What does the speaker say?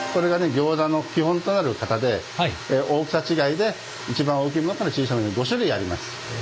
ギョーザの基本となる型で大きさ違いで一番大きいものから小さいものまで５種類あります。